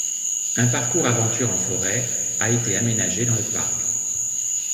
Un parcours aventure en forêt a été aménagé dans le parc.